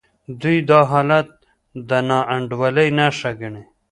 دوی دا حالت د ناانډولۍ نښه ګڼي.